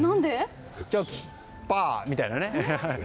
チョキ、パー！みたいなね。